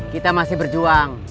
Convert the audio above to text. kita masih berjuang